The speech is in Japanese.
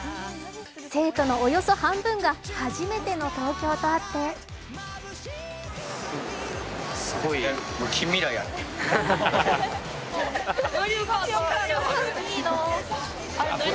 生徒のおよそ半分が初めての東京とあってマリオカート、いいな。